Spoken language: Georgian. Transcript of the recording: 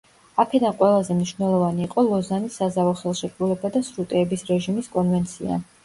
აქედან ყველაზე მნიშვნელოვანი იყო ლოზანის საზავო ხელშეკრულება და სრუტეების რეჟიმის კონვენცია.